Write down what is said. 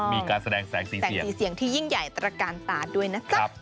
มีการแสงสีเสียงที่ยิ่งใหญ่แต่ละการตาดด้วยนะจ๊ะ